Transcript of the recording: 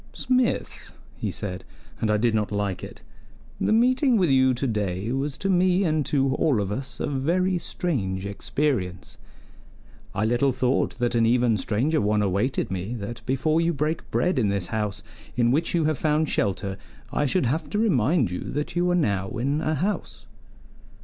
"Smith," he said and I did not like it "the meeting with you today was to me and to all of us a very strange experience: I little thought that an even stranger one awaited me, that before you break bread in this house in which you have found shelter, I should have to remind you that you are now in a house."